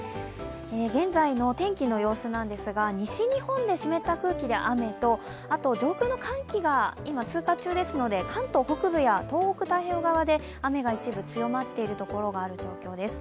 現在の天気の様子なんですが、西日本で湿った空気の雨とあと上空の寒気が今通過中ですので、関東北部や東北太平洋側で、雨が一部強まっているところがある状況です。